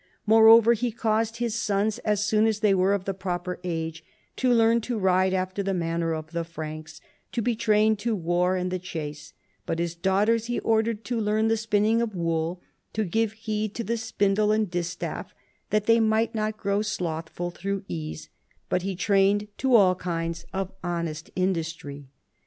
Moreover, he caused his sons as soon as they were of the proper age to learn to ride after the manner of the Franks, to be trained to war and the chase : but his daughters he ordered to learn the spinning of wool, to give heed to the spindle and distaff, that they might not grow slothful through ease, but be trained to all kinds of honest industry